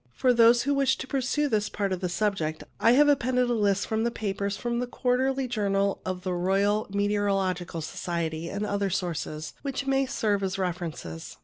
For those who wish to pursue this part of the subject I have appended a list of papers from the Quarterly yournal of the Royal vi PREFACE Meteorological Society and other sources, which may serve as references.